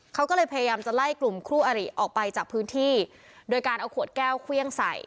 เขาก็เลยพยายามจะไล่กลุ่มคู่อริออกไปจากพื้นที่โดยการเอาขวดแก้วเครื่องใส่